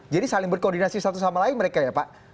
jadi saling berkoordinasi satu sama lain mereka ya pak